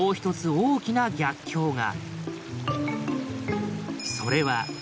大きな逆境が。